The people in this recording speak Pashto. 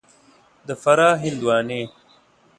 د فراه هندوانې